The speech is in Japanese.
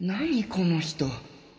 この人